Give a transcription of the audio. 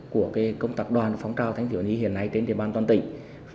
của cái công tập đoàn phóng trao thanh niên hiện nay trên địa bàn toàn tỉnh